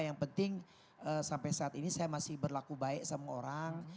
yang penting sampai saat ini saya masih berlaku baik sama orang